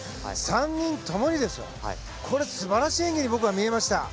３人ともにですよ素晴らしい演技に見えました。